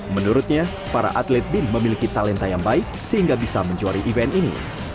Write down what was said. menurutnya para atlet bin memiliki talenta yang baik sehingga bisa menjuari event ini